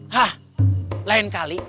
hah lain kali